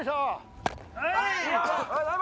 はい！